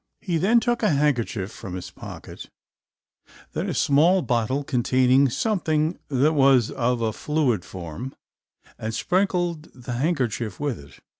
He then took a handkerchief from his pocket, then a small bottle containing something that was of a fluid form, and sprinkled the handkerchief with it.